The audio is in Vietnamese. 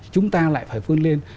chúng ta lại phải phương lên